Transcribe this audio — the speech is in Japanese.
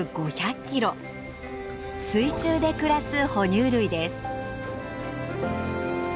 水中で暮らす哺乳類です。